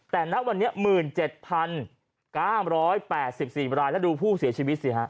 แต่ณวันนี้๑๗๙๘๔รายแล้วดูผู้เสียชีวิตสิฮะ